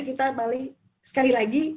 kita balik sekali lagi